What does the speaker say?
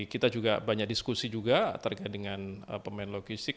kita juga banyak diskusi juga terkait dengan pemain logistik